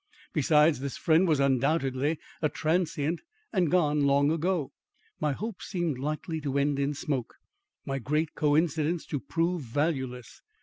Besides, this friend was undoubtedly a transient and gone long ago. My hopes seemed likely to end in smoke my great coincidence to prove valueless.